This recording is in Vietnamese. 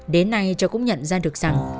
đến nay cháu cũng nhận ra được rằng